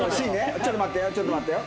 ちょっと待ってよちょっと待ってよ。